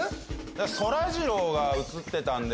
そらジローが映ってたんで。